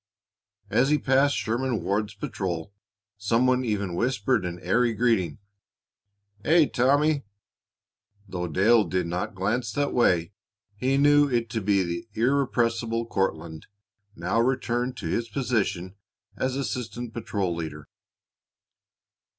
As he passed Sherman Ward's patrol some one even whispered an airy greeting, "Aye, Tommy." Though Dale did not glance that way, he knew it to be the irrepressible Courtlandt, now returned to his position as assistant patrol leader.